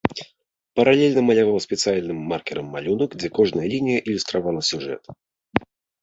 Паралельна маляваў спецыяльным маркёрам малюнак, дзе кожная лінія ілюстравала сюжэт.